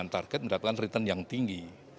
target mendapatkan return yang tinggi